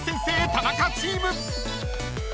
タナカチーム］